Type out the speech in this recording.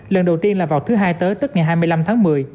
lần đầu tiên là vào thứ hai tới tức ngày hai mươi năm tháng một mươi